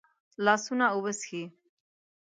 لاسونه اوبه څښي